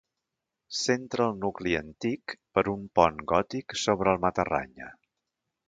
S'entra al nucli antic per un pont gòtic sobre el Matarranya.